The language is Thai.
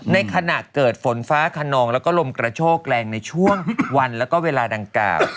ในขณะเกิดฝนฟ้าขนองแล้วก็ลมกระโชกแรงในช่วงวันแล้วก็เวลาดังกล่าว